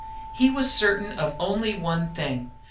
He was certain of only one thing.